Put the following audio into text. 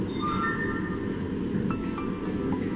สวัสดีครับ